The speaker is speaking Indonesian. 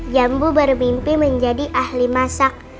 jambu baru mimpi menjadi ahli masak